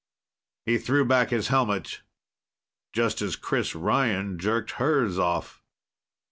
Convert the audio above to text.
He threw back his helmet just as Chris Ryan jerked hers off.